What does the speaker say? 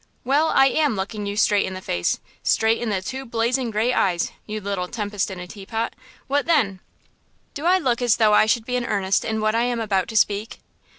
"Well, I am looking you straight in the face–straight in the two blazing grey eyes, you little tempest in a teapot–what then?" "Do I look as though I should be in earnest in what I am about to speak?"